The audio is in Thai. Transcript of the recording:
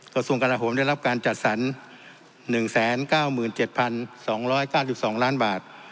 กระทรวงกราโหมได้รับการจัดสรร๑๙๗๒๙๒ล้านบาท